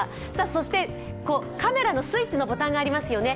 そしてカメラのスイッチのボタンがありますよね。